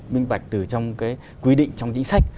minh bạch từ trong cái quy định trong chính sách